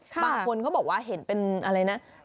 บางคนเขาบอกว่าเห็นเป็นอะไรนะ๐๑๒๓๔๕๖๗๘๙